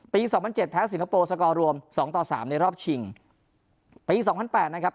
สองพันเจ็ดแพ้สิงคโปร์สกอร์รวมสองต่อสามในรอบชิงปีสองพันแปดนะครับ